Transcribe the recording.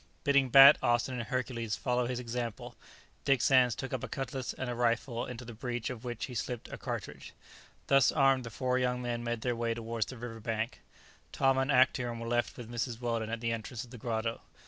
Bidding Bat, Austin, and Hercules follow his example, Dick Sands took up a cutlass and a rifle, into the breach of which he slipped a cartridge. Thus armed, the four young men made their way towards the river bank. Tom and Actæon were left with Mrs. Weldon at the entrance of the grotto.